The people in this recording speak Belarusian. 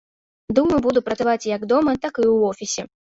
Думаю, буду працаваць як дома, так і ў офісе.